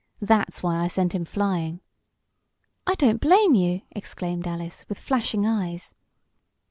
That's why I sent him flying." "I don't blame you!" exclaimed Alice, with flashing eyes.